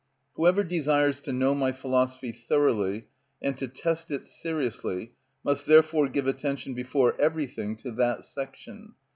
Whoever desires to know my philosophy thoroughly and to test it seriously must therefore give attention before everything to that section.